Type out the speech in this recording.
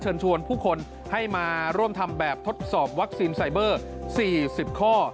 ชวนผู้คนให้มาร่วมทำแบบทดสอบวัคซีนไซเบอร์๔๐ข้อ